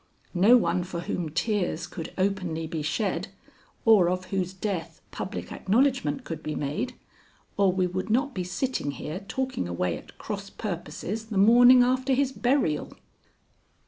No one for whom tears could openly be shed or of whose death public acknowledgment could be made, or we would not be sitting here talking away at cross purposes the morning after his burial."